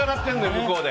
向こうで。